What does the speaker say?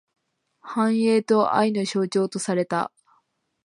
繁栄と愛の象徴とされた。